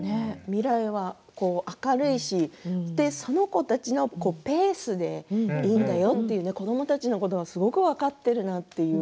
未来は明るいしその子たちのペースでいいんだよという子どもたちのことがすごく分かっているなと。